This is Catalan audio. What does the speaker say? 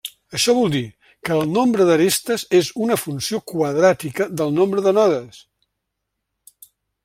Això vol dir que el nombre d'arestes és una funció quadràtica del nombre de nodes.